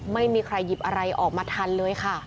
ไม่มีใครหยิบอะไรออกมาทันเลยค่ะ